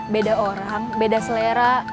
beda orang beda selera